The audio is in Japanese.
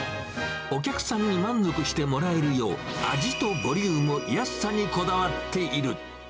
お客さんに満足してもらえるよう、味とボリューム、安さにこだわっている。